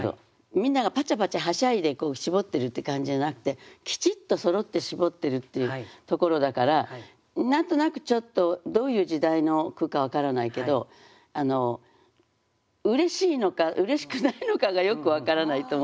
みんながパチャパチャはしゃいで絞ってるって感じじゃなくてきちっとそろって絞ってるっていうところだから何となくちょっとどういう時代の句か分からないけどうれしいのかうれしくないのかがよく分からないと思います。